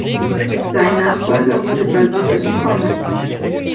Sein Nachfolger wurde Basil O’Connor.